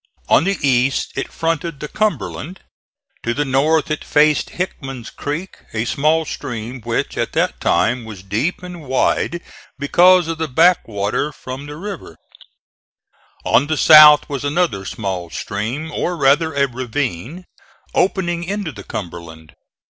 On the east it fronted the Cumberland; to the north it faced Hickman's creek, a small stream which at that time was deep and wide because of the back water from the river; on the south was another small stream, or rather a ravine, opening into the Cumberland.